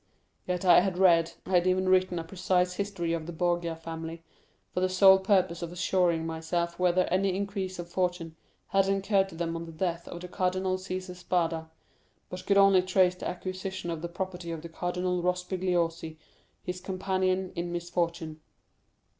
Yet I had read, I had even written a precise history of the Borgia family, for the sole purpose of assuring myself whether any increase of fortune had occurred to them on the death of the Cardinal Cæsar Spada; but could only trace the acquisition of the property of the Cardinal Rospigliosi, his companion in misfortune.